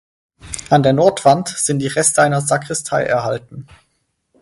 An der Nordwand sind die Reste einer Sakristei erhalten.